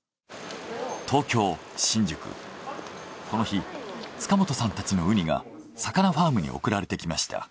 この日塚本さんたちのウニがさかなファームに送られてきました。